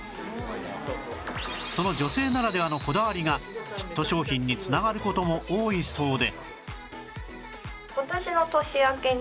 その女性ならではのこだわりがヒット商品に繋がる事も多いそうで